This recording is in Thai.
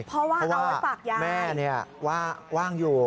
เพราะว่าแม่เนี่ยว่าว่างอยู่